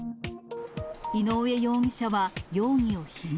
井上容疑者は容疑を否認。